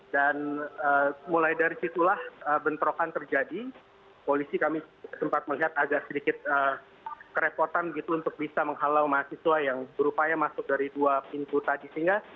dan mulai dari situlah bentrokan terjadi polisi kami sempat melihat agak sedikit kerepotan gitu untuk bisa menghalau mahasiswa yang berupaya masuk dari dua pintu tadi sehingga